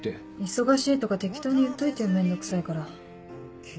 「忙しい」とか適当に言っといてよ面倒くさいから。